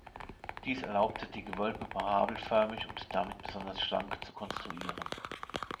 Dies erlaubte die Gewölbe parabelförmig und damit besonders schlank zu konstruieren.